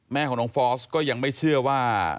แม่ของน้องฟอสก็ยังไม่เชื่อว่า